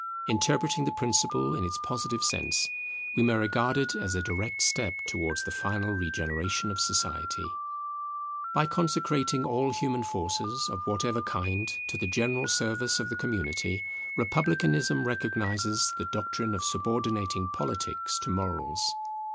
Interpreting the principle in its positive sense, we may regard it as a direct step towards the final regeneration of society. By consecrating all human forces of whatever kind to the general service of the community, republicanism recognizes the doctrine of subordinating Politics to Morals.